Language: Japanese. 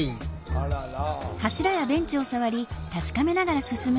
あらら。